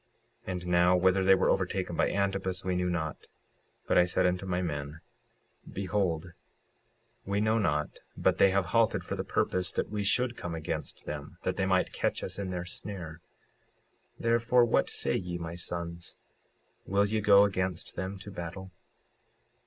56:43 And now, whether they were overtaken by Antipus we knew not, but I said unto my men: Behold, we know not but they have halted for the purpose that we should come against them, that they might catch us in their snare; 56:44 Therefore what say ye, my sons, will ye go against them to battle?